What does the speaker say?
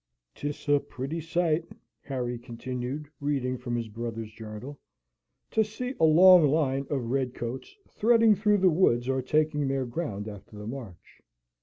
"'Tis a pretty sight," Harry continued, reading from his brother's journal, "to see a long line of redcoats, threading through the woods or taking their ground after the march.